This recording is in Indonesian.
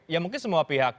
ya mungkin semua pihak